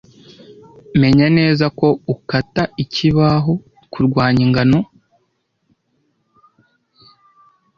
Menya neza ko ukata ikibaho kurwanya ingano.